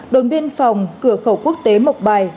đồn biên phòng cửa khẩu quốc tế mộc bài